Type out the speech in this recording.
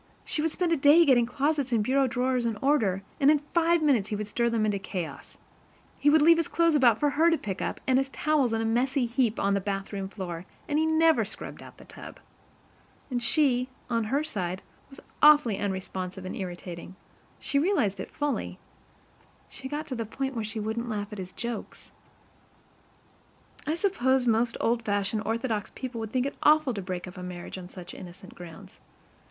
She would spend a day getting closets and bureau drawers in order, and in five minutes he would stir them into chaos. He would leave his clothes about for her to pick up, and his towels in a messy heap on the bathroom floor, and he never scrubbed out the tub. And she, on her side, was awfully unresponsive and irritating, she realized it fully, she got to the point where she wouldn't laugh at his jokes. I suppose most old fashioned, orthodox people would think it awful to break up a marriage on such innocent grounds.